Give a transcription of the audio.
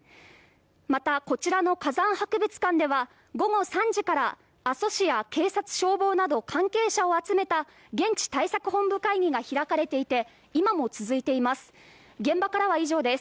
またこちらの火山博物館では午後３時から阿蘇市や警察・消防など関係者を集めた現地対策本部会議が開かれていて今も続いています。